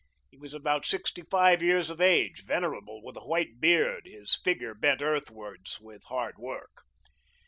He was about sixty five years of age, venerable, with a white beard, his figure bent earthwards with hard work.